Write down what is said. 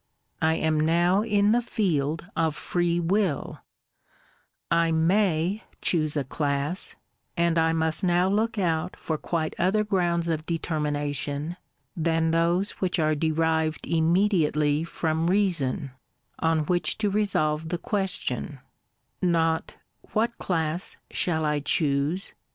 I am now in the field of free wiH ;/ may choose a class, and I must now look out for quite other grounds of determiaation than those which are derived immediately from Reason, on which to resolve the question, — not " What class shall I choose?"